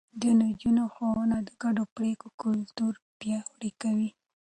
د نجونو ښوونه د ګډو پرېکړو کلتور پياوړی کوي.